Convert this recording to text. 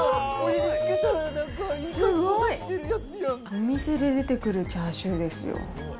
お店で出てくるチャーシューですよ。